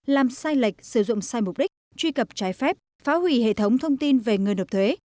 làm sai lệch sử dụng sai mục đích truy cập trái phép phá hủy hệ thống thông tin về người nộp thuế